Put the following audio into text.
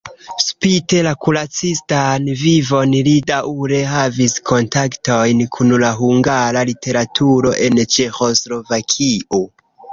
Spite la kuracistan vivon li daŭre havis kontaktojn kun la hungara literaturo en Ĉeĥoslovakio.